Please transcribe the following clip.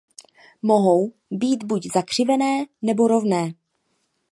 Mohou být buď zakřivené nebo rovné.